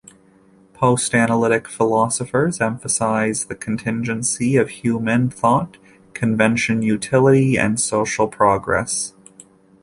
Postanalytic philosophers emphasize the contingency of human thought, convention, utility, and social progress.